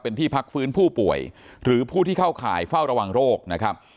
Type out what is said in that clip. เป็นที่พักฟื้นผู้ป่วยหรือผู้ที่เข้าข่ายเฝ้าระวังโรคนะครับ